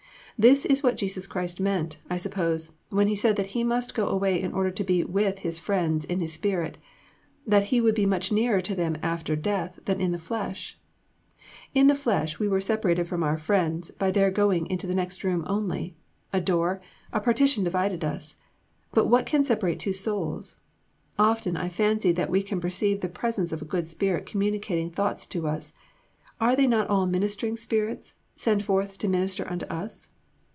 This is what Jesus Christ meant, I suppose, when He said that He must go away in order to be with His friends in His spirit, that He would be much nearer to them after death than in the flesh. In the flesh, we were separated from our friends by their going into the next room only a door, a partition divided us; but what can separate two souls? Often I fancy that we can perceive the presence of a good spirit communicating thoughts to us: are they not all ministering spirits, sent forth to minister unto us?